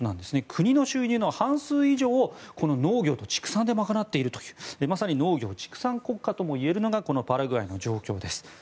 国の収入の半数以上を農業と畜産で賄っているという、まさに農業・畜産国家といえるのがこのパラグアイの状況です。